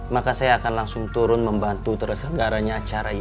maka saya akan langsung turun membantu terselenggaranya acara ini